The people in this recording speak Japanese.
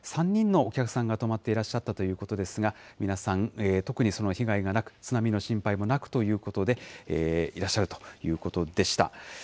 ３人のお客さんが泊まっていらっしゃったということですが、皆さん特にその被害がなく、津波の心配もなくということで、いらっしゃるということでした。